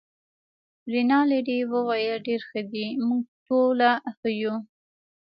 رینالډي وویل: ډیر ښه دي، موږ ټوله ښه یو.